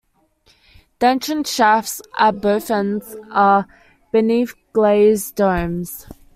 The entrance shafts at both ends are beneath glazed domes.